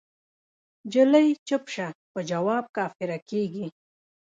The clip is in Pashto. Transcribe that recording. جینی چپ شه په جواب کافره کیږی